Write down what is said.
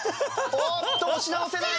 おーっと押し直せない！